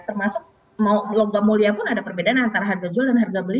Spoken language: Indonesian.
termasuk logam mulia pun ada perbedaan antara harga jual dan harga beli